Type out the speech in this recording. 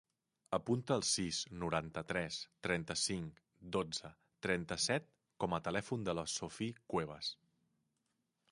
Apunta el sis, noranta-tres, trenta-cinc, dotze, trenta-set com a telèfon de la Sophie Cuevas.